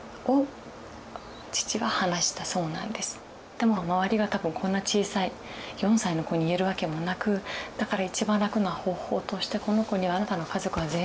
でも周りが多分こんな小さい４歳の子に言えるわけもなくだから一番楽な方法としてこの子にはあなたの家族は全員死んだと。